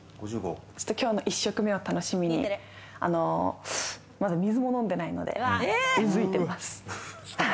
今日の１食目を楽しみにまだ水も飲んでないので、うずいてます。